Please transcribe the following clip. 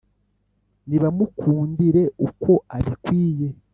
Nibamukundire uko abikwiye